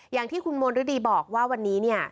อย่างที่คุณมนต์ฤดีบอกว่าวันนี้